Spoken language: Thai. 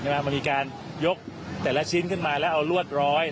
มันมีการยกแต่ละชิ้นขึ้นมาแล้วเอารวดร้อย